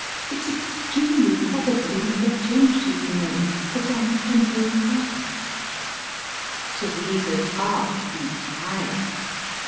It's extremely probable he may have changed his name for some temporary purpose." Teresa's heart beat high.